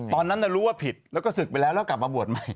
ตอนนั้นรู้ว่าผิดแล้วก็ศึกไปแล้วแล้วกลับมาบวชใหม่